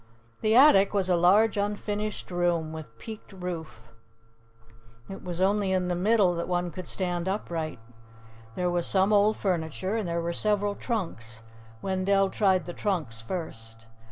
The attic was a large unfinished room with peaked roof. It was only in the middle that one could stand upright. There was some old furniture and there were several trunks. Wendell tried the trunks first.